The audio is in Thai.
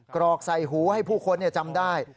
กรอกใส่หูให้ผู้คนจำได้